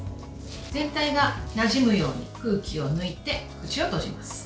全体がなじむように空気を抜いて口を閉じます。